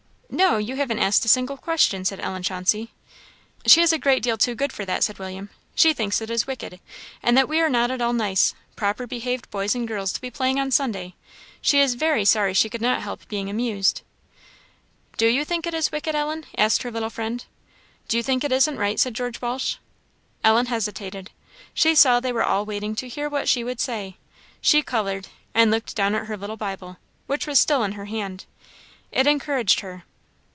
"No, you haven't asked a single question," said Ellen Chauncey. "She is a great deal too good for that," said William; "she thinks it is wicked, and that we are not at all nice, proper behaved boys and girls to be playing on Sunday; she is very sorry she could not help being amused." "Do you think it is wicked, Ellen?" asked her little friend. "Do you think it isn't right?" said George Walsh. Ellen hesitated; she saw they were all waiting to hear what she would say. She coloured, and looked down at her little Bible, which was still in her hand. It encouraged her.